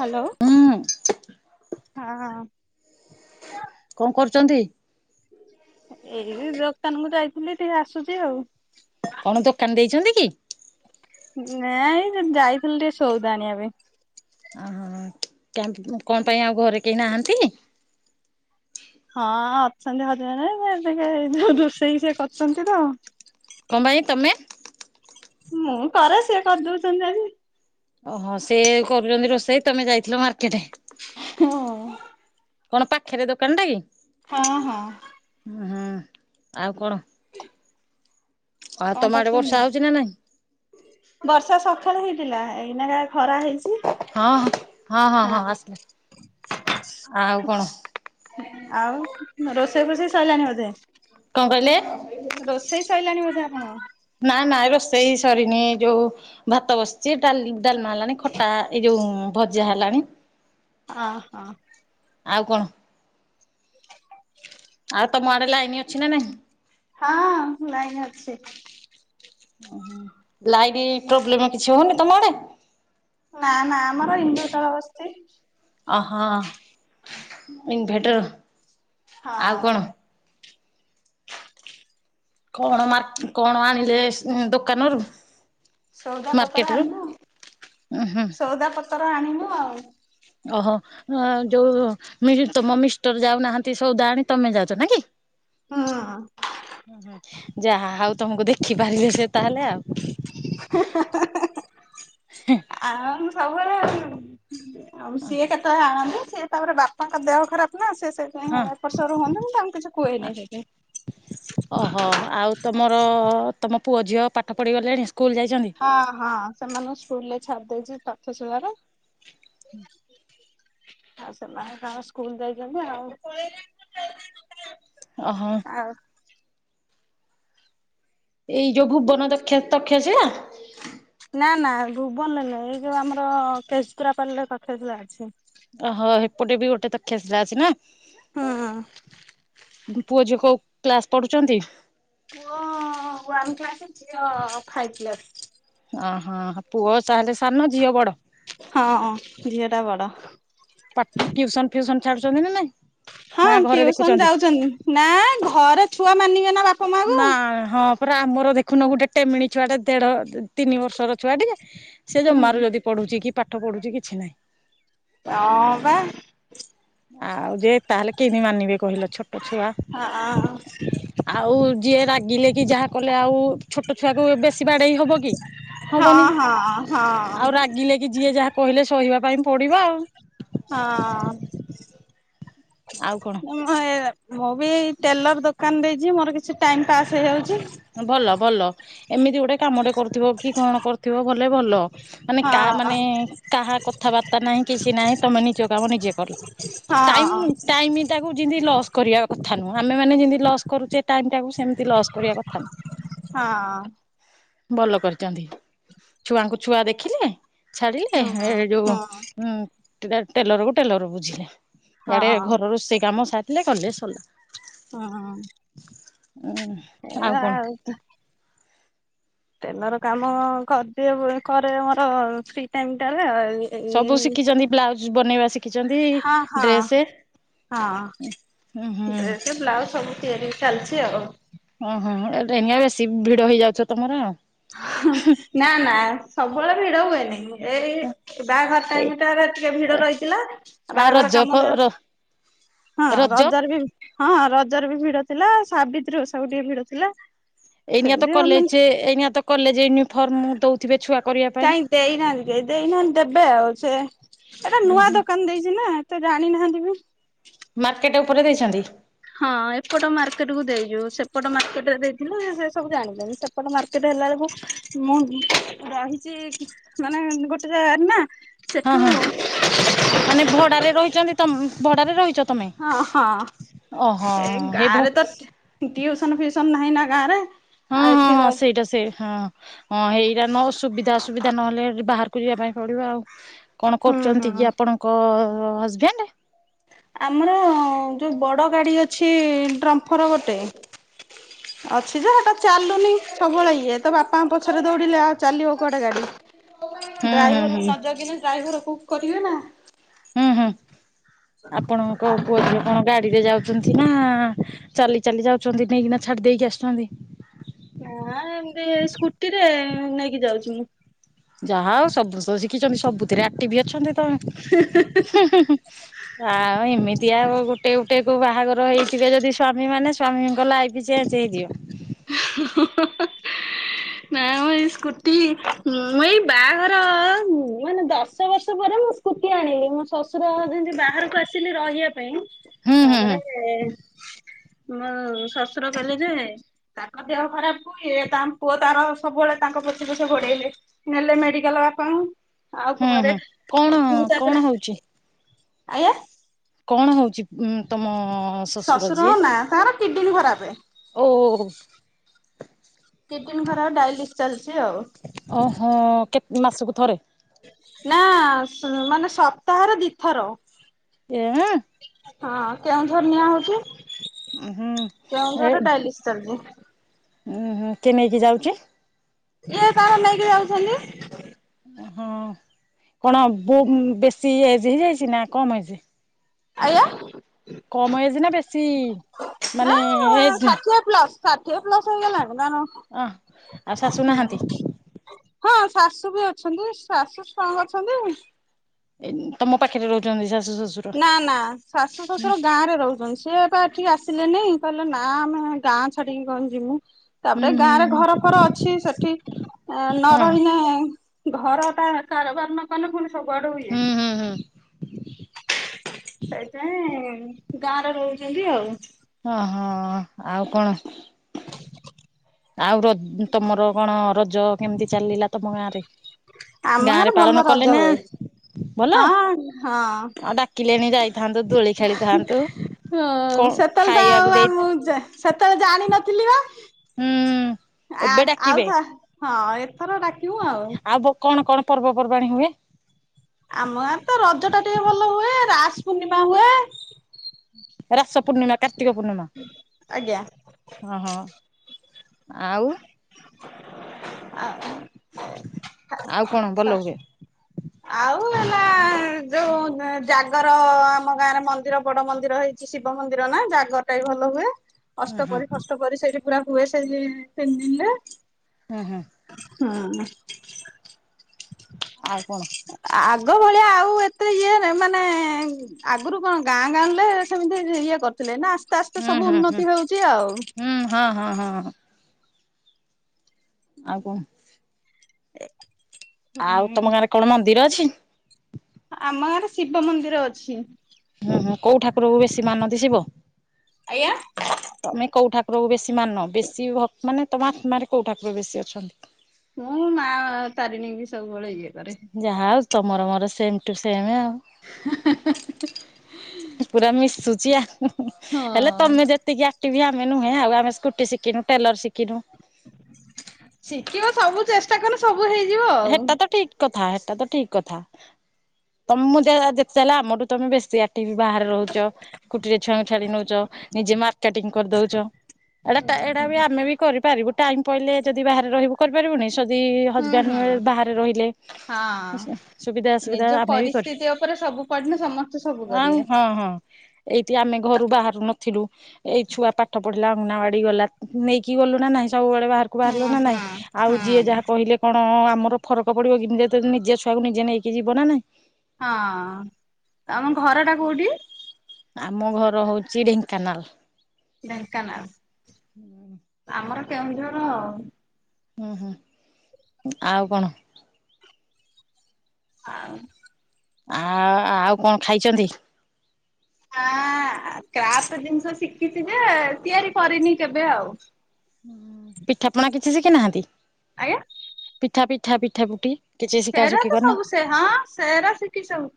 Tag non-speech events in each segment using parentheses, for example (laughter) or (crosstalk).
Hello, ହୁଁ ହଁ। କଣ କରୁଚନ୍ତି? ଏଇ ଦୋକାନକୁ ଯାଇଥିଲି, ଟିକେ ଆସୁଛି ଆଉ। କଣ ଦୋକାନ ଦେଇଛନ୍ତି କି? ନାଇଁ, ଯାଇଥିଲି ଟିକେ ସଉଦା ଆଣିବା ପାଇଁ। ଓହୋ, କଣ ପାଇଁ ଆଉ, ଘରେ କେହି ନାହାନ୍ତି? ହଁ ଅଛନ୍ତି ହରିଣିକେ ଯଉ ରୋଷେଇକି ସେ କରୁଛନ୍ତି ତ। କଣ ଭାଇ ତମେ? ମୁଁ କରେ ସେ କରି ଦଉଛନ୍ତି ଆଜି। ଓହୋ ସେ କରୁଛନ୍ତି ରୋଷେଇ ତମେ ଯାଇଥିଲ ମାର୍କେଟ। ହୁଁ। କଣ ପାଖରେ ଦୋକାନ ଟା କି? ହଁ ହଁ। ହଁ ଆଉ କଣ? (inaudible) ଆ କଣ ତମ ଆଡେ କରୁଛନ୍ତି? ବର୍ଷା ହଉଛି ନା ନାଇଁ? ବର୍ଷା ସକାଳେ ହେଇଥିଲା ଏଇନାକା ଖରା ହେଇଛି। ହଁ ହଁ ହଁ ହଁ ହଁ ଆସିଲା। ଆଉ କଣ? ଆଉ ରୋଷେଇ ଫୋଷେଇ ସରିଲାଣି ବୋଧେ? କଣ କହିଲେ ରୋଷେଇ ସରଲାଣି ବୋଧେ ଆପଣଙ୍କର? ନାଇଁ ନାଇଁ ରୋଷେଇ ସରିନି ଯୋଉ ଭାତ ବସିଛି ଡାଲି ଡାଲମା ହେଲାଣି ଖଟା ଏଇ ଯୋଉ ତୁ ଭଜା ହେଲାଣି। ଓ ହଁ। ଆଉ କଣ? (inaudible) ଆଉ ତମ ଆଡେ ଲାଇନ ଅଛି ନା ନାଇଁ? ହଁ ଲାଇନ୍ ଅଛି। ଓ ଲାଇଟ୍ ପ୍ରୋବ୍ଲେମ କିଛି ହଉନି ତମ ଆଡେ? ନା ନା ଆମର ଇନଭେଟର୍ ବସିଛି। ଅ ହୋ ଇନଭେଟର। ହଁ। ଆଉ କଣ? କଣ ମ କଣ ଆଣିଲେ ଦୋକାନରୁ? ସଉଦା ପତ୍ର ମାର୍କେଟ ରୁ? ଆଣିଲୁ ଉଁ ହୁଁ ସଉଦା ପତ୍ର ଆଣିଲୁ ଆଉ। ଓହୋ। ହଁ ଯୋଉ ତମ ମିଷ୍ଟର ଯାଉନାହାନ୍ତି ସବୁ ଜାଣି ତମେ ଯାଉଛ ନା କି? ହଁ ହୁଁ ଯାହା ଆଉ ତମକୁ ଦେଖି ପାରିଲେ ସେ ତାହେଲେ ଆଉ। ଆଉ ସବୁବେଳେ ଆଉ ସିଏ କେତେବେଳେ ଆଣନ୍ତି ସିଏ ତାପରେ ବାପାଙ୍କ ଦେହ ଖରାପ ନା ସେ ହଁ। ସେଥିପାଇଁ ଏପଟ ସେପଟ ହୁଅନ୍ତି ତ ମୁଁ ତାଙ୍କୁ କିଛି କୁହେନି ସେଠି। ଓହୋ ଆଉ ତମର ତମ ପୁଅ ଝିଅ ପାଠ ପଢିଗଲେଣି। ସ୍କୁଲ ଯାଇଛନ୍ତି? ହଁ ହଁ ସେମାନଙ୍କୁ ସ୍କୁଲ ରେ ଛାଡିଦେଇଛି ତକ୍ଷ ସିଳାରେ। ଆଉ ସେମାନେ ତାଙ୍କର ସ୍କୁଲ ଯାଇଛନ୍ତି ଆଉ। ଅ ହ। ଆଉ ଏଇ ଯୋଉ ଭୁବନ ଦକ୍ଷ ତକ୍ଷ ଶିଳା। ନା ନା ଭୁବନରେ ନୁଏ ଏଇ ଯୋଉ ଆମର କେତ୍ରା ପାଲି ରେ ତକ୍ଷଶିଳା ଅଛି। ଓହୋ ହେପଟେ ବି ଗୋଟେ ତକ୍ଷ ଶିଳା ଅଛି ନା ହୁଁ। ପୁଅ ଝିଅ କୋଉ କ୍ଲାସ ପଢୁଛନ୍ତି? ପୁଅ ୱାନ କ୍ଲାସ୍ ଝିଅ ଫାଇପ୍ କ୍ଲାସ୍। ଓହୋ ପୁଅ ତା ହେଲେ ସାନ ଝିଅ ବଡ। ହଁ ଝିଅ ଟା ବଡ। ଟିଉସନ ଫିଉସନ ଛାଡୁଛନ୍ତି ନା ନାଇଁ। ହଁ ନା ଘରେ ଟିଉସନ ଦେଖୁଛନ୍ତି? ଯାଉଛନ୍ତି ନା ଘରେ ଛୁଆ ମାନିବେ ନା ବା ନା ହଁ ପୁରା ଆମର ଦେଖୁନ ଗୋଟେ ଟେମିିଣି ଛୁଆଟେ ଦେଢ ତିି ତିନି ବର୍ଷର ଛୁଆ ଟିକେ ସେ ଜମାରୁ ଯଦି ପଢୁଛି କି ପାଠ ପଢୁଛି କିଛି ନାହିଁ। ହଁ ବା। ଆଉ ଯେ ତାହେଲେ କେଁତି ମାନିବେ କହିଲ ଛୋଟ ଛୁଆ। ହଁ ଆଉ ଯିଏ ରାଗିଲେ କି ଯାହା କଲେ ଆଉ ଛୋଟ ଛୁଆ କୁ ବେଶୀ ବାଡ଼େଇ ହବ କି? ହଁ ହବନି ହଁ। ହଁ। ଆଉ ରାଗିଲେ କି ଯିଏ ଯାହା କହିଲେ ସହିବା ପାଇଁ ପଡିବ ଆଉ। ହଁ। ଆଉ କଣ ମୁ ମୋ। ମୁଁ ବି ଏଇ ଟେଲର ଦୋକାନ ଦେଇଛି ମୋର କିଛି ଟାଇମ ପାସ୍ ହେଇଯାଉଛି। ଭଲ ଭଲ ଏମିତି ଗୋଟେ କାମଟେ କରଥିବ କି କଣ କରୁଥିବ ଭଲେ ଭଲ। ମାନେ କାହା ହଁ ମାନେ କାହା କଥାବାର୍ତ୍ତା ନାହିଁ କିଛି ନାହିଁ ତମେ ନିଜ କାମ ନିଜେ କଲ। ଟାଇମ ହଁ ଟାଇମଟାକୁ ଯିଁତି ଲସ୍ କରିବା କ କଥାନୁହଁ ଆମେମାନେ ଯେମତି ଲସ୍ କରୁଛେ ଟାଇମଟାକୁ ସେମିତି ଲସ୍ କରିବା କ - - ହଁ। ନୁହଁ। ଭଲ କରିଛନ୍ତି ଛୁଆଙ୍କୁ ଛୁଆ ଦେଖିଲେ। ଛାଡିଲେ ହୁଁ ହେ ଯୋଉ ହୁଁ ଉଁ ଟେଲର କୁ ଟେଲର ବୁଝିଲେ। ଇଆଡେ ହଁ। ଘର ରୋଷେଇ କାମ ସାରିଲେ ଗଲେ ସରିଲା। ଉଁ ଏ ଆଉ ତ। ଟେଲର କାମ କରିଦିଏ କରେ ମୋର ଫ୍ରି ଟାଇମ ଟାରେ। ସବୁ ଶିଖିଛନ୍ତି ବ୍ଲାଉଜ ବନେଇବା ଶିଖି ହଁ ଶିଖିଛନ୍ତି ହଁ ଡ୍ରେସ ହଁ। ଉଁ ହୁଁ ହୁଁ। ଡ୍ରେସ ବ୍ଲାଉଜ ସବୁ ତିଆରି ଚାଲିଛି ଆଉ। ଓହୋ ଏ ଟାଇମ ରେ ବେସି ଭିଡ ହେଇଯାଉ ଥିବ ତମର। ହଁ ନା ନା ସବୁବେଳେ ଭିଡ ହୁଏନି। ଏଇ ବାହାଘର ଆଉ ଟାଇମ ଟାରେ ଟିକେ ଭିଡ ରହିଥିଲା ଆଉ ରଜ ବାହାଘର ଫ କାମ। ର ହଁ ରଜ ରଜରେ ବି। ହଁ ରଜରେ ବି ଭିଡ ଥିଲା ସାବିତ୍ରୀ ଓଷାକୁ ଟିକେ ଭିଡ ଥିଲା। ଏଇନିକାଆ ତ ସେମିତି ଆଉ ମାନେ କଲେଜ ଏଇନିଆ ତ। କଲେଜ ୟୁନିଫର୍ମ ଦଉଥିବେ ଛୁଆ କରିବା ପାଇଁ। କାଇଁ ଦେଇନାହାନ୍ତି କେଇ ଦେଇନାହାନ୍ତି ଦବେ ଆଉ ଛେ ଏଟା ଉଁ ନୂଆ ହୁଁ ଦୋକାନ ଦେଇଛି ନା ତ ଜାଣିନାହାନ୍ତି ବି। ମାର୍କେଟ ଉପରେ ଦେଇଛନ୍ତି। ହଁ ଏପଟ ମାର୍କେଟ କୁ ଦେଇଛୁ ସେପଟ ମାର୍କେଟରେ ଦେଇଥିଲେ ସେ ସବୁ ଜାଣିଛନ୍ତି ସେପଟ ମାର୍କେଟ। ହେଲାବେକୁ ମୁଁ ରହିଛି କି ମାନେ ଗୋଟେ ଜାଗାରେ ନା। ହଁ, ସେଠୁ ହଁ ମାନେ ଭଡାରେ ରହିଛନ୍ତି ତମ ଭଡାରେ ରହିଚ। ହଁ, ହଁ ଏ ହେଇ ଭ ଗାଁ ରେ ତ ଟିଉସନ ଫିଉସନ ନାହିଁ ନା। ଗାଁରେ। ହଁ, ଆଉ ହଁ, ଏଠି ହଁ, ରହି ସେଇଟା ସେଇ ହଁ। ହଁ ହେଇଟା ନ ସୁବିଧା ଅସୁବିଧା ନହେଲେ ବାହାରକୁ ଯିବା ପାଇଁ ପଡିବ ଆଉ। କଣ କରୁଛନ୍ତି ହୁଁ କି ଆପଣଙ୍କ ହଜବେଣ୍ଡ? ଆମର ଯୋଉ ବଡ ଗାଡି ଅଛି ଡ୍ରମ୍ଫର ଗୋଟେ ଅଛି ଯେ ହେଟା ଚାଲୁନି ସବୁବେଳେ ଇଏ ତ ବାପାଙ୍କ ପଛରେ ଦୌଡିଲେ ଆଉ ଚାଲିବ କୁଆଡେ ଗାଡି ହୁଁ ହୁଁ ଡ୍ରାଇଭର ବି ହୁଁ ନ ଜଗିଲେ ଡ୍ରାଇଭର ପୁକ୍ କରିବେ ନା? ହୁଁ, ହୁଁ ଆପଣଙ୍କ ପୁଅ ଝିଅ କଣ ଗାଡିରେ ଯାଉଚ଼ନ୍ତି ନା। ଚାଲି ଚାଲି ଯାଉଛନ୍ତି ନେଇକିନା ଛାଡି ଦେଇକି ଆସୁଛନ୍ତି। ନା ଏମିତି ସ୍କୁଟିରେ ନେଇକି ଯାଉଛି ମୁଁ। ଯାହା ଆଉ ସବୁ ତ ଶିଖିଛନ୍ତି ସବୁଥିରେ ଆକ୍ଟିଭି ଅଛନ୍ତି ତମେ ଆଉ ଏମିତି ଆଉ ଗୋଟେ ଗୋଟେ କ ବାହାଘର ହେଇଥିବେ ଯଦି ସ୍ଵାମୀ ସ୍ଵାମୀମାନେ ସ୍ଵାମୀଙ୍କ ଲାଇଫ୍ ଚେଞ୍ଜ ହେଇଯିବ। ନା ମୁଁ ଏଇ ସ୍କୁଟି ମୁଁ ଏଇ ବାହାଘର ମାନେ ଦଶ ବର୍ଷ ପରେ ମୁଁ ସ୍କୁଟି ଆଣିଲି ମୁ ଶଶୁର ଯେମିତି ବାହାରକୁ ଆସିଲି ରହିବା ପାଇଁ ହୁଁ ହୁଁ ତାପରେ ହୁଁ ମୁଁ ଶଶୁର କହିଲେ ଯେ ତାଙ୍କ ଦେହ ଖରାପ ହୁଏ ତାଙ୍କ ପୁଅ ତାର ସବୁବେଳେ ତାଙ୍କ ପଛେ ପଛେ ଘୋଡେଇଲେ ନେଲେ ମେଡିକାଲ ବାପାଙ୍କୁ ଆଉ ହୁଁ ଘରେ ହୁଁ କଣ ମୁଁ କଣ ତାପରେ ହଉଛି? ଆଜ୍ଞା। କଣ ହଉଛି ଉ ତମ ଶ୍ୱଶୁର ନା ତାର କିଡନୀ ଖରାପ। ଓ ଓ। କିଡନୀ ଖରାପ ଡାଇଲିସ୍ ଚାଲିଛି ଆଉ। ଓହୋ କେତେ ମାସକୁ ଥରେ? ନା ମାନେ ସପ୍ତାହରେ ଦିଥର। ଏଁ। ହଁ କେଉଁଝର ନିଆ ହଉଛି, ହୁଁ। କେଉଁଝରରେ ଡାଇଲିସ୍ ଚାଲିଛି। ଉୁଁ ହୁଁ କିଏ ନେଇକି ଯାଉଛି? ଏ ତାର ନେଇକି ଯାଉଛନ୍ତି। ହଁ କଣ ବୋ ବେଶୀ ଏଜ୍ ହେଇଯାଇଛି ନା କମ ଏଜ୍? ଆଞା? କମ (unintelligible) ନା ମାନେ ଏଜ ନାଇଁ। ଷାଠିଏ ପ୍ଲସ ଷାଠିଏ ପ୍ଲସ ହେଇଗଲାଣି ତାର ଅଁ ଆଉ ଶାଶୁ ନାହାନ୍ତି? ହଁ ଶାଶୁ ବି ଅଛନ୍ତି ଶାଶୁ ଷ୍ଟ୍ରଙ୍ଗ ଅଛନ୍ତି। ତମ ପାଖରେ ରହୁଛନ୍ତି ଶାଶୁ? ଶ୍ୱଶୁର ନା ନା ଶାଶୁ ହୁଁ ଶ୍ୱଶୁର ଗାଁରେ ରହୁଛନ୍ତି, ସିଏ ବା ଏଠିକି ଆ- ସିଲେନେଇଁ କହିଲେ ନା ଆମେ ଗାଁ ଛାଡିକି କଣ ଯିବୁ। ହୁଁ ତାପରେ ଗାଁ ରେ ଘର ହୁଁ ଫର ଅଛି ସେଠି ନ ହଁ ରହିନେ ଘର ଟା କାରବାର ନ କଲେ ପୁଣି ସବୁଆଡୁ ଇଏ। ହୁଁ ହୁଁ ହୁଁ ସେଇଥିପାଇଁ ଗାଁରେ ରହୁଛନ୍ତି ଆଉ। ଓ ହଁ ଆଉ କଣ? ଆଉ ର ତମର କଣ ରଜ କେମିତି ଚାଲିଲା ତମ ଗାଁ ରେ? ଆମ ଗାଁ ରେ ଗାଁରେ ପାଳନ ଭଲ କଲେ ରଜ ନା ହୁଏ। ଭଲ ହଁ ହଁ। ଆଉ ଡାକିଲେଣି ଯାଇ ଦୋଳି ଖେଳିଥାନ୍ତୁ। ହିଁ କଣ ସେତେବେଳେ ତ ଖାଇବାକୁ ଆଉ ଦେଇ ଆମ ସେତେବେଳେ ଜାଣିନଥିଲି ବା। ହୁଁ ଆ ଏବେ ଡାକିବେ ଆଉଥ ହଁ ଏଥର ଡାକିବୁ ଆଉ। କଣ କଣ ପର୍ବପର୍ବାଣୀ ହୁଏ? ଆମ ଗାଁ ରେ ତ ରଜ ଟା ଟିକେ ଭଲ ହୁଏ ରାସ ପୂର୍ଣ୍ଣିମା ହୁଏ। ରାସ ପୂର୍ଣ୍ଣିମା କାର୍ତ୍ତିକ ପୂର୍ଣ୍ଣିମା ଆଜ୍ଞା। ଓ ହଁ। ଆଉ? ଆ ଆଉ କଣ ଭଲ ହୁଏ? ଆଉ ହେଲା ଯୋଉ (inaudible) ଜାଗର ଆମ ଗାଁରେ ମନ୍ଦିର ବଡ ମନ୍ଦିର ହେଇଚି ଶିବ ମନ୍ଦିର ନା ଜାଗରଟା ବି ଭଲ ହୁଏ। ଅଷ୍ଟ ହୁଁ ହୁଁ ପ୍ରହରୀ ଫଷ୍ଟ ପ୍ରହରୀ ସେଇଠି ପୁରା ହୁଏ ସେଇ ତିନି ଦିନରେ। ହୁଁ ହୁଁ ହଁ। ଆଉ କଣ। ଆଗ ଭଳିଆ ଆଉ ଏତେ ଇଏ ମାନେ ଆଗରୁ କଣ ଗାଁ ଗହଲି ରେ ସେମିତି ଇଏ କରିଥିଲେ ନା। ଆସ୍ତେ ଆସ୍ତେ ହୁଁ ସବୁ ହୁଁ ହୁଁ ଉନ୍ନତି ହଉଚି ଆଉ। ହୁଁ ହଁ ହଁ ହଁ ଆଉ କଣ। ଏ। ଆଉ ତମ ଗାଁରେ କଣ ମନ୍ଦିର ଅଛି? ଆମ ଆଡେ ଶିବ ମନ୍ଦିର ଅଛି। ହୁଁ ହୁଁ କୋଉ ଠାକୁରଙ୍କୁ ବେଶୀ ମାନନ୍ତି ଶିବ ଆଜ୍ଞା। ତମେ କୋଉ ଠା ଠାକୁରଙ୍କୁ ବେଶୀ ମାନ ବେଶୀ ଭ ମାନେ ତମ ଆତ୍ମାରେ କଉ ଠାକୁର ବେଶୀ ଅଛନ୍ତି? ମୁଁ ମା ତାରିଣୀଙ୍କି ସବୁବେଳେ ଇଏ କରେ। ଯାହା ହଉ ତମର ମୋର ସେମ ଟୁ ସେମ ଆଉ। (inaudible) ପୁରା ମିଶୁଚି ଆଉ ହେଲେ ହଁ। ତମେ ଯେତିକି ଆକ୍ଟିବ ଆମେ ନୁହେଁ ଆଉ ଆମେ ସ୍କୁଟି ଶିଖିନୁ ଟେଲର ଶି ଶିଖିବ ସବୁ ଚେଷ୍ଟା କଲେ ସବୁ ହେଇଯିବ ଆଉ। ହେଟା ତ ଠିକ କଥା ହେଟା ତ ଠିକ କଥା। ତମ ଜାଗା ଯେତେହେଲେ ଆମଠୁ ତମେ ବେଶୀ ଆକ୍ଟିଭ ବାହାରେ ରହୁଛ, କୁଟିରେ ଛୁଆଙ୍କୁ ଛାଡ଼ି ନଉଚ। ନିଜେ ମାର୍କେଟିଂ କରିଦଉଚ। ଏଟା ଟା ଏଇଟା ବି ହୁଁ। ଆମେ ବି କରିପାରିବୁ ଟାଇମ ପଇଲେ ଯଦି ବାହାରେ ରହିବୁ କରିପାରିବୁନି ଯଦି ହୁଁ ହୁଁ ହଜବାଣ୍ଡ ବାହାରେ ରହିଲେ ହଁ ସୁ ସୁବିଧା ଅସୁବିଧା ନିଜ ଆମେ ବି କରି ପରିସ୍ଥିତି ଉପରେ ସବୁ ପଡିଲେ ସମସ୍ତେ ସବୁ ଆଉ କରିବେ। ହଁ ହଁ ଏଇଠି ଆମେ ଘରୁ ବାହାରୁ ନଥିଲୁ ଏଇ ଛୁଆ ପାଠ ପଢି ଲା, ଅଙ୍ଗନାବାଡି ଗଲା ତାକୁ ନେଇକି ଗଲୁ ନା ନାଇଁ, ସବୁବେଳେ ବାହାରକୁ ବାହାରିଲୁ ହଁ ନାଇଁ ହଁ। ଆଉ ହଁ ଯିଏ ଯାହା କହିଲେ କଣ ଆମର ଫରକ ପଡିବ କି ଯେତେହିଁ ନିଜ ଛୁଆକୁ ନିଜେ ନେଇକି ଯିବ ନା ନାଇଁ? ହଁ ତମ ଘର ଟା କୋଉଠି? ଆମ ଘର ହଉଚି ଢେଙ୍କାନାଳ। ଢେଙ୍କାନାଳ, ଆମର କେଉଁଝର। ହୁଁ ହୁଁ ଆଉ କଣ? ଆଉ ଆ ଆଉ କଣ ଖାଇଛନ୍ତି ଆ କ୍ରାଫ୍ଟ ଜିନିଷ ଶିଖିଚି ଯେ, ତିଆରି କରିନି କେବେ ଆଉ। ପିଠାପଣା କିଛି ଶିଖି ନାହାନ୍ତି? ଆଜ୍ଞା? ପିଠା ପିଠା ପିଠା ପୁଠି। କିଛି ଶିଖା ସେରା ଶୁଖି ତ କରିନା ସବୁ ସେ ହଁ ସେରା ଶିଖିଚି ସବୁ।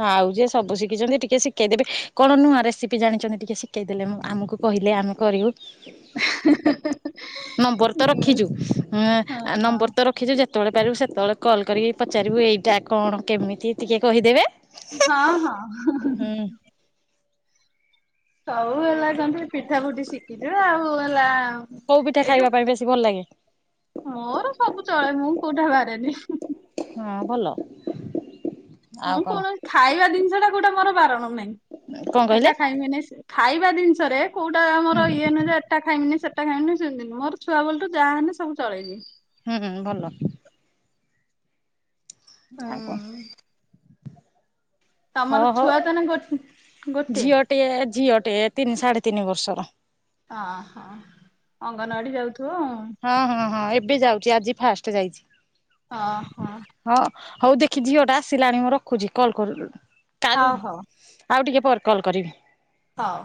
ହଁ ଆଉ ଯିଏ ସବୁ ଶିଖିଚନ୍ତି ଟିକେ ଶିଖେଇଦେବେ, କଣ ନୂଆ ରେସିପି ଜାଣିଚନ୍ତି ଟିକେ ଶିଖେଇ ଦେଲେ ମୁଁ ଆମକୁ କହିଲ ଲେ ଆମେ କରିବୁ। (inaudible) ନମ୍ବର ତ ରଖିଚୁ ଉମ ଆ ନମ୍ବର ତ ରଖିଚୁ ଯେ ତେବେଳେ ପାରିବୁ ସେତେବେଳେ କଲ୍ କରିକି ପଚାରିବୁ ଏଇଟା କଣ କେମିତି ଟିକେ କହିଦେବେ। ହଁ ହଁ। ହୁଁ ହଉ ହେଲା କଣ ଟିକେ ପିଠା ପୁଠି ଶିଖିଚୁ ଆଉ ହେଲା କୋଉ ପିଠା ଏଇ ଯୋ, ଖାଇବା ପାଇଁ ବେଶୀ ଭଲ ଲାଗେ ମୋର ସବୁ ଚଳେ ମୁଁ କୋଉଠା ବାରେନି ହଁ ଭଲ। ଆଉ ମୁଁ କଣ କୌଣସି ଖାଇବା ଜିନିଷ ଟା କୋଉଟା ମୋର ବାରଣ କଣ ନାହିଁ। କହିଲେ ଏଟା ଖାଇମିନି ଖାଇବା ଜିନିଷରେ କଉଟା ହୁଁ ଆମର ଇଏ ନୁହ ଯେ ଏଟା ଖାଇମିନି ସେ ଟା ଖାଇମିନି ସେମିତିି ନୁହଁ, ମୋର ଛୁଆ ବେଳଠୁ ଯାହା ହେଲେ ସବୁ ଚଳେଇ ଦିଏ। ହୁଁ ହୁଁ ଭଲ। ଆଉ କଣ? ହୁଁ ଓ ତମର ହୋ। ଛୁଆ ତାନେ ଗୋ ଗୋଟେ ଝିଅ ଟିଏ ଝିଅ ଟେ ତିନି ସାଢ଼େ ତିନି ବର୍ଷର। ହଁ ହଁ। ଅଙ୍ଗନବାଡ଼ି ଯାଉଥି ହଁ ହଁ ହଁ। ଏବେ ଯାଉଛି ଆଜି ଫାଷ୍ଟ ଯାଇଛି। ଅ ହଁ। ହଁ ହଉ ଦେଖି ଝିଅ ଟା ଆସିଲାଣି ମୁଁ ରଖୁଛି। କଲ୍ ହଉ କରୁ-କାଲି-ଆଉ ଟିକେ ପରେ କଲ୍ କରିବି। ହୋଉ।